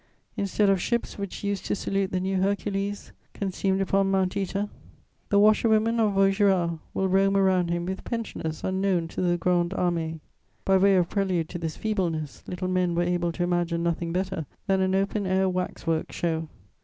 Instead of ships which used to salute the new Hercules, consumed upon Mount Œta, the washerwomen of Vaugirard will roam around him with pensioners unknown to the Grande Armée. By way of prelude to this feebleness, little men were able to imagine nothing better than an open air wax work show.